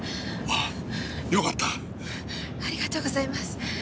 ありがとうございます。